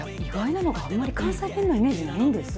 あまり関西弁のイメージないんです。